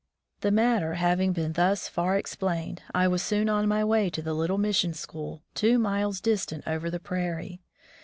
The matter having been thus far explained, I was soon on my way to the little mission school, two miles distant over the prairie.